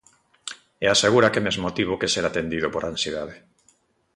E asegura que mesmo tivo que ser atendido por ansiedade.